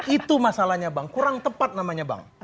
itu masalahnya bang kurang tepat namanya bang